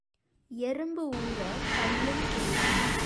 எறும்பு ஊர கல்லுந் தேயும்.